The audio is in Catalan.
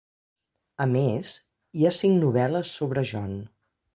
A més, hi ha cinc novel·les sobre John.